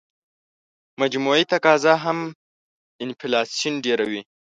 مجموعي تقاضا هم انفلاسیون ډېروي.